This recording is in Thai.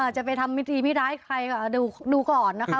จะไปทำมิตรีมิดาให้ใครดูก่อนนะคะ